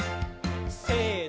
せの。